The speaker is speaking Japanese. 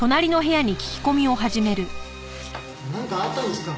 なんかあったんですか？